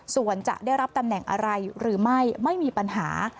ส่วนจะได้รับตำแหน่งอะไรหรือไม่ไม่มีปัญหา